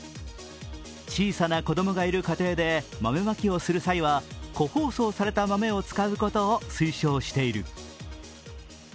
小さな子供がいる家庭で豆まきをする際は個包装された豆を使うことを推奨している。